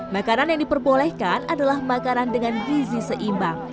makanan yang diperbolehkan adalah makanan dengan gizi seimbang